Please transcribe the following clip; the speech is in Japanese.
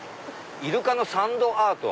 イルカのサンドアート？